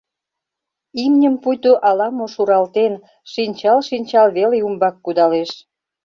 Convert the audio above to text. Имньым пуйто ала-мо шуралтен, шинчал-шинчал веле умбак кудалеш.